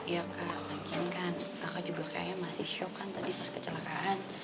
ya kakek kan kakak juga kayaknya masih shock kan tadi pas kecelakaan